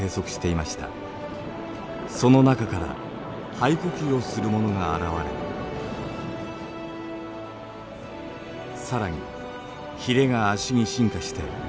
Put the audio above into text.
その中から肺呼吸をするものが現れ更にひれが足に進化して陸上に進出。